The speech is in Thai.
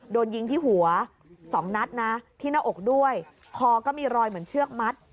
โดนยิงที่หัว๒นัดนะที่หน้าอกด้วยคอก็มีรอยเหมือนเชือกมัด